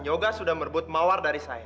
yoga sudah merebut mawar dari saya